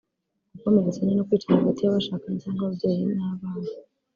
gukomeretsanya no kwicana hagati y’abashanye cyangwa ababyeyi n’abana